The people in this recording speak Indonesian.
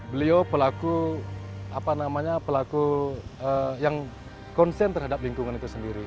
beliau pelaku yang konsen terhadap lingkungan itu sendiri